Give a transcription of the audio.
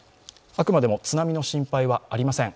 あくまでも津波の心配はありません。